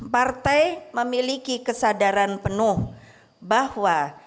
partai memiliki kesadaran penuh bahwa